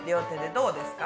どうですか？